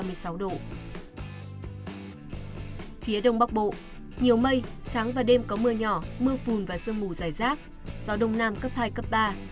phía đông bắc bộ nhiều mây sáng và đêm có mưa nhỏ mưa phùn và sương mù dài rác gió đông nam cấp hai cấp ba